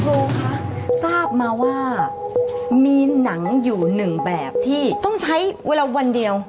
ครูคะทราบมาว่ามีหนังอยู่หนึ่งแบบที่ต้องใช้เวลาวันเดียว